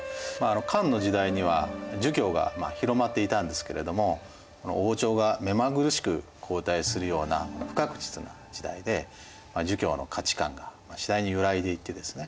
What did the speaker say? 漢の時代には儒教が広まっていたんですけれども王朝が目まぐるしく交代するような不確実な時代で儒教の価値観が次第に揺らいでいってですね